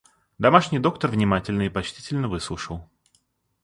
Домашний доктор внимательно и почтительно выслушал.